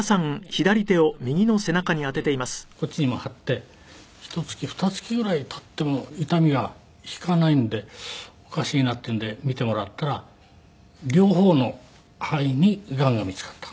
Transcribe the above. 足首に貼る痛み止めの貼り薬をこっちにも貼ってひと月ふた月ぐらい経っても痛みが引かないんでおかしいなっていうんで診てもらったら両方の肺にがんが見つかった。